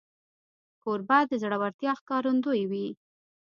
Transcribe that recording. کوربه د زړورتیا ښکارندوی وي.